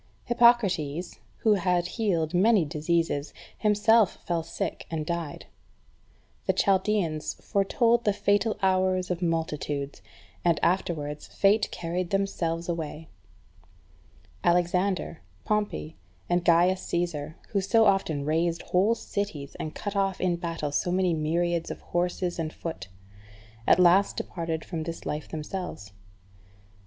3. Hippocrates, who had healed many diseases, himself fell sick, and died. The Chaldeans foretold the fatal hours of multitudes, and afterwards fate carried themselves away. Alexander, Pompey, and Gaius Caesar, who so often razed whole cities, and cut off in battle so many myriads of horse and foot, at last departed from this life themselves.